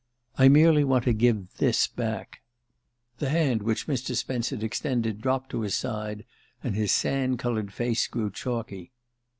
"I merely want to give this back." The hand which Mr. Spence had extended dropped to his side, and his sand coloured face grew chalky.